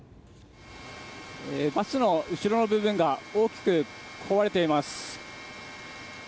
バスの後ろの部分が大きく壊れています。